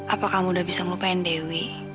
apakah kamu udah bisa ngelupain dewi